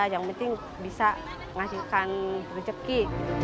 yang penting bisa menghasilkan rezeki